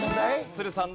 都留さん